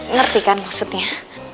ngerti kan maksudnya